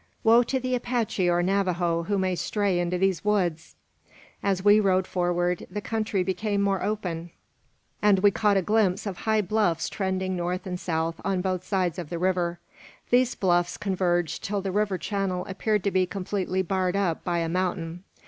Woe to the Apache or Navajo who may stray into these woods!" As we rode forward, the country became more open, and we caught a glimpse of high bluffs trending north and south on both sides of the river. These bluffs converged till the river channel appeared to be completely barred up by a mountain.